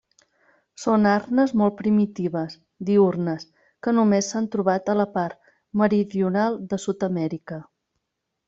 Són arnes molt primitives, diürnes, que només s'han trobat a la part meridional de Sud-amèrica.